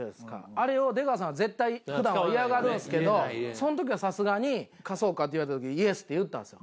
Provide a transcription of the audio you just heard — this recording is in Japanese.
あれを出川さんは絶対普段は嫌がるんですけどその時はさすがに「貸そうか？」って言われた時に。って言ったんすよ